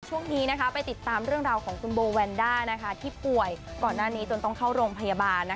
ช่วงนี้ไปติดตามเรื่องราวของคุณโบแวนด้าที่ป่วยก่อนหน้านี้จนต้องเข้าโรงพยาบาล